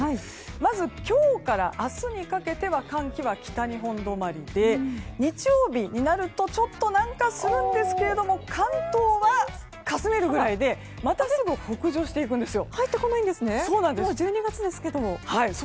まず今日から明日にかけては寒気は北日本止まりで日曜日になるとちょっと南下するんですけども関東はかすめるぐらいでまたすぐ北上していくんですよ。